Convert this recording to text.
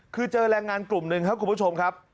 คือเจอแรงงานกลุ่มหนึ่งครับคุณผู้ชมครับ